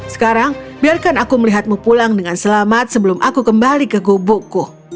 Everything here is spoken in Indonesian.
sekarang biarkan aku melihatmu pulang dengan selamat sebelum aku kembali ke gubukku